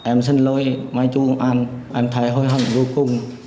em xin lỗi mai chú công an em thấy hối hận vô cùng